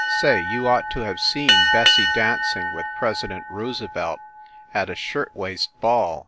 Say, you ought to have seen Bessie dancing with President Roosevelt at a shirt waist ball!